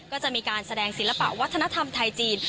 ก็จะมีการแสดงศิลปะวัฒนธรรมไทยจีน